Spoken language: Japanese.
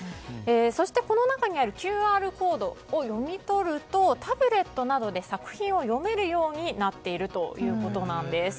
そして、この中にあるＱＲコードを読み取るとタブレットなどで作品を読めるようになっているということです。